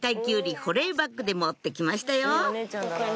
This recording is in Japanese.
保冷バッグで持って来ましたよ